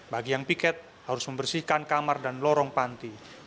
bagi yang piket harus membersihkan kamar dan lorong panti